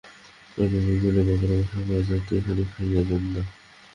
অন্নদাবাবুকে কহিল, বাবা, রমেশবাবু আজ রাত্রেও এইখানেই খাইয়া যান-না।